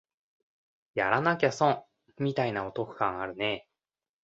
やらなきゃ損みたいなお得感あるね